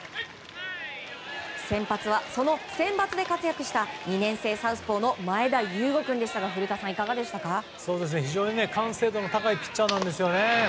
先発は、そのセンバツで活躍した２年生サウスポーの前田悠伍君でしたが完成度の高いピッチャーなんですよね。